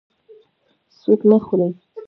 سود مه خورئ